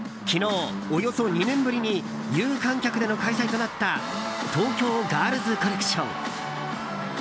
昨日、およそ２年ぶりに有観客での開催となった東京ガールズコレクション。